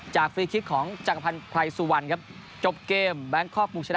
จากฟรีคลิปของจังหวันไพรสุวรรณครับจบเกมบันคอร์กมุชนะ